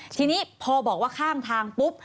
ทีนี้พอบอกว่าข้างทางปุ๊บ